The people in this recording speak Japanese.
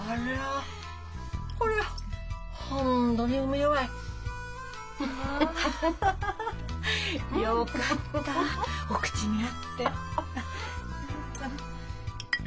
まあよかったお口に合って。